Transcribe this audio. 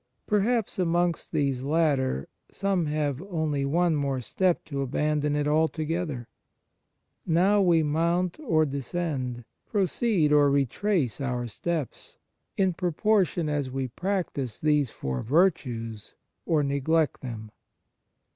Perhaps amongst these latter some have only one more step to abandon it altogether. Now we mount or descend, proceed or retrace our steps, in proportion as we practise these four virtues or neglect them.